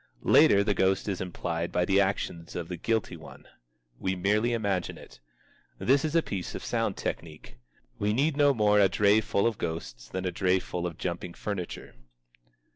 Later the ghost is implied by the actions of the guilty one. We merely imagine it. This is a piece of sound technique. We no more need a dray full of ghosts than a dray full of jumping furniture.